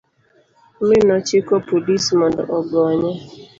mi nochiko polis mondo ogonye